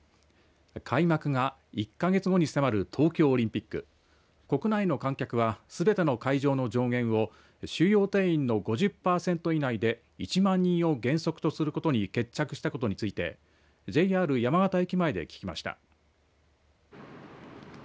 開幕が１か月後に迫る東京オリンピック国内の観客はすべての会場の上限を収容定員の５０パーセント以内で１万人を原則とすることに決着したことについてＪＲ山形駅前で聞きました。